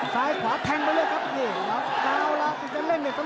ตอนนี้มันถึง๓